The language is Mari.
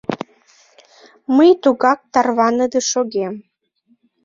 Мый тугак тарваныде шогем.